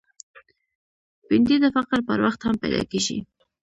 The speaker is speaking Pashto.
بېنډۍ د فقر پر وخت هم پیدا کېږي